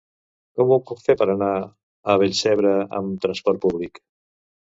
Com ho puc fer per anar a Vallcebre amb trasport públic?